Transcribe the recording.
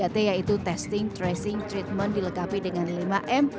tiga t yaitu testing tracing treatment dilengkapi dengan lima m